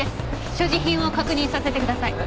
所持品を確認させてください。